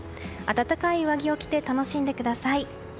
暖かい上着を着て楽しんでください。